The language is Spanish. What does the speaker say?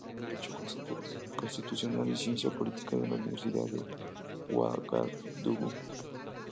Estudió Derecho Constitucional y Ciencia Política en la Universidad de Uagadugú.